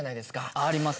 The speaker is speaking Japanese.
あります。